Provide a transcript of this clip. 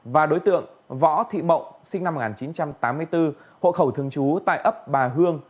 và đối tượng võ thị mộng sinh năm một nghìn chín trăm tám mươi bốn hộ khẩu thường trú tại ấp bà hương